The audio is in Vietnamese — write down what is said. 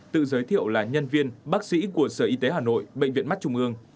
tự giới thiệu là nhân viên bác sĩ của sở y tế hà nội bệnh viện mắt trung ương